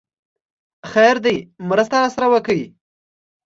خير دی! مرسته راسره وکړئ!